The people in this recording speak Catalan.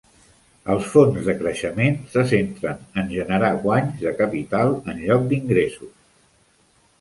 Els fons de creixement se centren en generar guanys de capital en lloc d'ingressos.